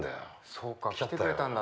そうか来てくれたんだね。